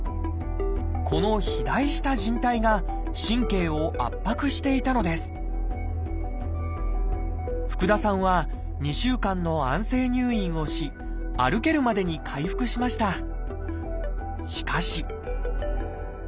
この肥大したじん帯が神経を圧迫していたのです福田さんは２週間の安静入院をし歩けるまでに回復しました。